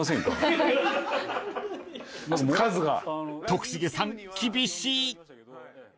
［徳重さん厳しい］